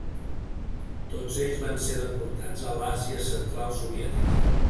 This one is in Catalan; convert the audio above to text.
Tots ells van ser deportats a l'Àsia Central Soviètica.